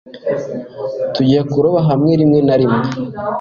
Tujya kuroba hamwe rimwe na rimwe.